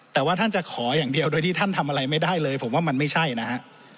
แต่ว่าท่านจะขออย่างเดียวโดยที่ท่านทำอะไรไม่ได้เลยผมว่ามันไม่ใช่นะฮะ